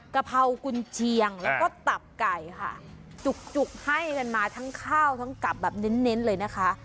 กะเพรากุญเชียงแล้วก็ตับไก่ค่ะจุกให้กันมาทั้งข้าวทั้งกลับแบบเน้นเลยนะคะ